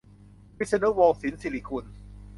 วิษณุ วงศ์สินศิริกุล